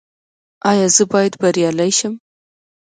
ایا زه باید بریالی شم؟